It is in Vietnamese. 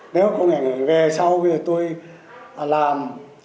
nếu không ảnh hưởng về sau tôi làm